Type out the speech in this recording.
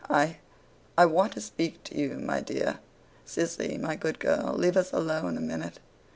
I—I want to speak to you, my dear. Sissy, my good girl, leave us alone a minute.